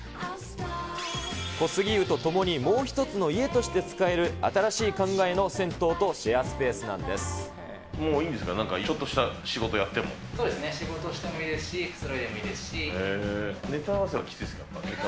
小杉湯とともに、もう一つの家として使える新しい考えの銭湯とシェアスペースなんもういいんですか、ちょっとそうですね、仕事してもいいネタ合わせはきついですか？